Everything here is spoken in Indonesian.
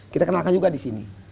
kita kenalkan juga di sini